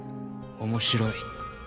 面白い。